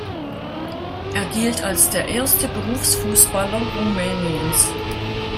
Er gilt als der erste Berufsfußballer Rumäniens.